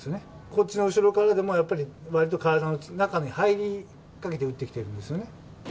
こっちの後ろからでも、やっぱりわりと体の中に入りそうな位置で打ってきてるんですよね。